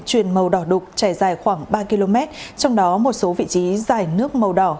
truyền màu đỏ đục trải dài khoảng ba km trong đó một số vị trí dài nước màu đỏ